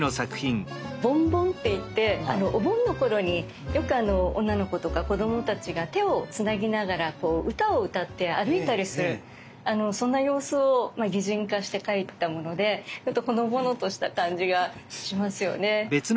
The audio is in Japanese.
「ぼんぼん」って言ってお盆の頃によく女の子とか子供たちが手をつなぎながら歌を歌って歩いたりするそんな様子を擬人化して描いたものでほのぼのとした感じがしますよね。